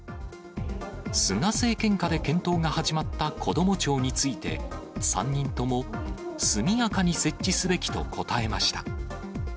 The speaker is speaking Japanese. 菅政権下で検討が始まったこども庁について、３人とも、速やかに設置すべきと答えました。